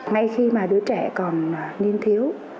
ngay khi mà đứa trẻ còn niêm thiếu